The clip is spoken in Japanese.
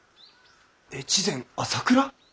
越前朝倉！？